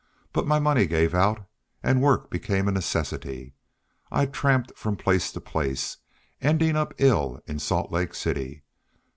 But my money gave out and work became a necessity. I tramped from place to place, ending up ill in Salt Lake City.